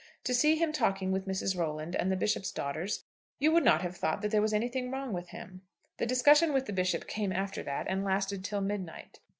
To see him talking with Mrs. Rolland and the Bishop's daughters, you would not have thought that there was anything wrong with him. The discussion with the Bishop came after that, and lasted till midnight.